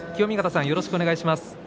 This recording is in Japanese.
よろしくお願いします。